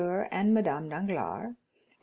and Madame Danglars, and M.